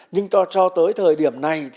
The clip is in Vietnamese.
nhưng cho tới thời điểm này